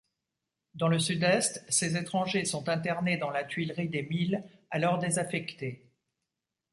Dans le Sud-Est, ces étrangers sont internés dans la tuilerie des Milles, alors désaffectée.